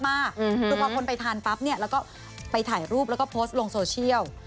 คือพอคนไปทานปั๊บเนี่ยแล้วก็ไปถ่ายรูปแล้วก็โพสต์ลงโซเชียล